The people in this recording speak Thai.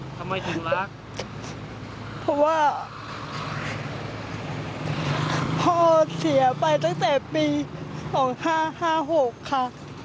เพราะว่าพ่อเสียไปตั้งแต่ปี๒๕๕๖ค่ะ